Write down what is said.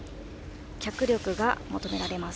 脚力が求められます。